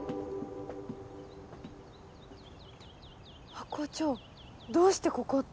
ハコ長どうしてここって。